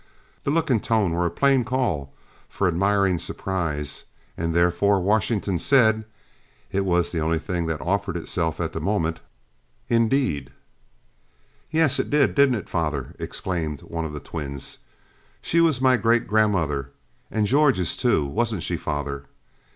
The look and the tone were a plain call for admiring surprise, and therefore Washington said (it was the only thing that offered itself at the moment:) "Indeed!" "Yes, it did, didn't it father!" exclaimed one of the twins. "She was my great grandmother and George's too; wasn't she, father!